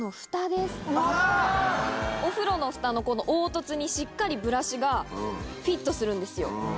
お風呂のフタのこの凹凸にしっかりブラシがフィットするんですよ。